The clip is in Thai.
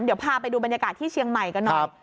เดี๋ยวพาไปดูบรรยากาศที่เชียงใหม่กันหน่อย